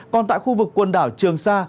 còn tại khu vực quần đảo trường sa